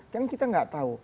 kan kita tidak tahu